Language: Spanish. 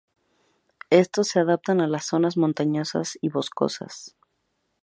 Estos se adaptan a las zonas montañosas y boscosas.